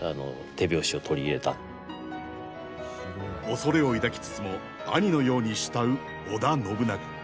恐れを抱きつつも兄のように慕う織田信長。